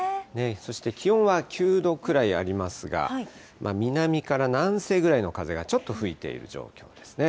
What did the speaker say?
そして気温は９度くらいありますが、南から南西ぐらいの風がちょっと吹いている状況ですね。